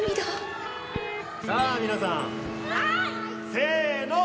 さあ皆さんせーの。